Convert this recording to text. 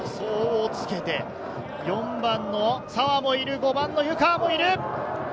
助走をつけて、４番の澤もいる、５番の湯川もいる。